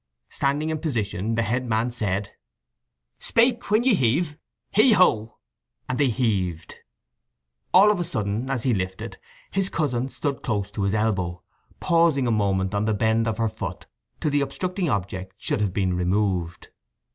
Standing in position the head man said, "Spaik when he heave! He ho!" And they heaved. All of a sudden, as he lifted, his cousin stood close to his elbow, pausing a moment on the bend of her foot till the obstructing object should have been removed.